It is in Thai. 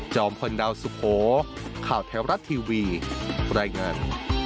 พลดาวสุโขข่าวแถวรัฐทีวีรายงาน